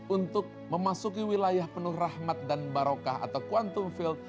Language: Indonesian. untuk memasuki wilayah penuh rahmat dan barokah atau kuantum field